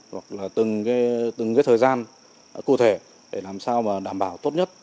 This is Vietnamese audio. hoặc là từng thời gian cụ thể để làm sao đảm bảo tốt nhất